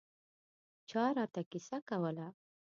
چا راته کیسه کوله.